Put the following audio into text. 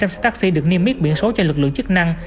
hai trăm linh xe taxi được niêm miết biển số cho lực lượng chức năng